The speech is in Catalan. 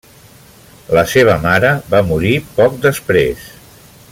La seva mare va morir poc després.